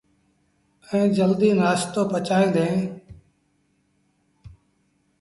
ائيٚݩ جلديٚ نآستو پچائيٚݩ ديٚݩ۔